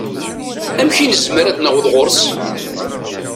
Amek i nezmer ad naweḍ ɣur-s?